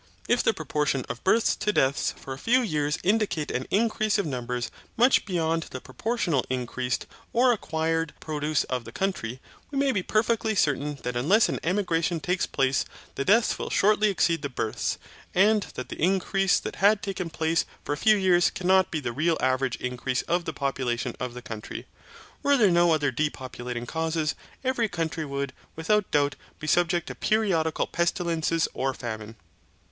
If the proportion of births to deaths for a few years indicate an increase of numbers much beyond the proportional increased or acquired produce of the country, we may be perfectly certain that unless an emigration takes place, the deaths will shortly exceed the births; and that the increase that had taken place for a few years cannot be the real average increase of the population of the country. Were there no other depopulating causes, every country would, without doubt, be subject to periodical pestilences or famine.